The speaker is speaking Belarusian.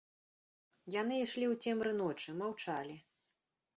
Яны ішлі ў цемры ночы, маўчалі.